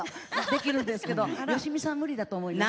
できるんですけどよしみさん無理だと思います。